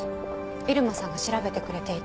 入間さんが調べてくれていて。